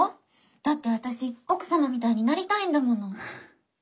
だって私奥様みたいになりたいんだもの。